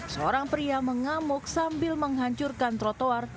seorang pria mengamuk sambil menghancurkan trotoar